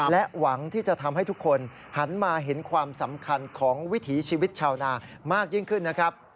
และหวังที่จะทำให้ทุกคนหันมาเห็นความสำคัญของวิถีชีวิตชาวนามากยิ่งขึ้นนะครับ